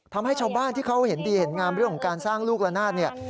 ทำให้ชาวบ้านที่เขาเห็นดีเห็นงามเรื่องการสร้างรูกกันนาฏ